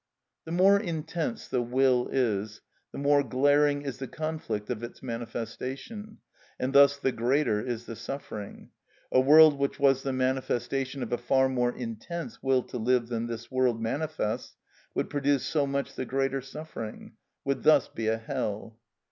(89) The more intense the will is, the more glaring is the conflict of its manifestation, and thus the greater is the suffering. A world which was the manifestation of a far more intense will to live than this world manifests would produce so much the greater suffering; would thus be a hell.